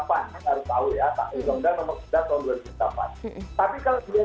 pak undang undang nomor kita tahun dua ribu delapan